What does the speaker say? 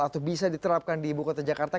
atau bisa diterapkan di ibu kota jakarta